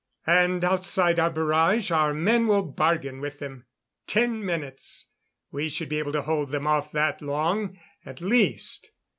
And outside our barrage, our men will bargain with them. Ten minutes! We should be able to hold them off that long at least.